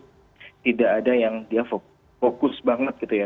tidak ada yang dia fokus banget gitu ya